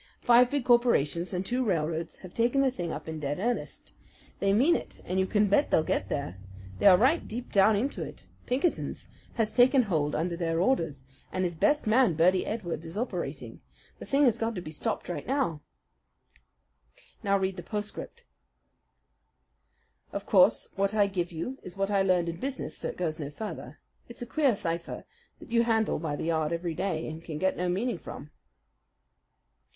Five big corporations and the two railroads have taken the thing up in dead earnest. They mean it, and you can bet they'll get there! They are right deep down into it. Pinkerton has taken hold under their orders, and his best man, Birdy Edwards, is operating. The thing has got to be stopped right now. "Now read the postscript." Of course, what I give you is what I learned in business; so it goes no further. It's a queer cipher that you handle by the yard every day and can get no meaning from.